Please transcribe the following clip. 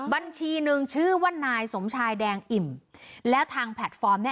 บัญชีหนึ่งชื่อว่านายสมชายแดงอิ่มแล้วทางแพลตฟอร์มเนี่ย